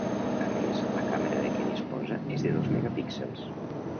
A més, la càmera de què disposa és de dos megapíxels.